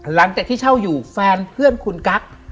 หลังจากที่เช่าอยู่แฟนเพื่อนคุณกั๊ก